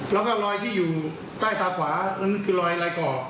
แล้วก็รอยที่อยู่ใต้ตาขวานั่นคือรอยก่อ